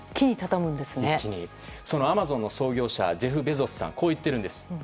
アマゾンの創業者のジェフ・ベゾスさんはこう言っているんです。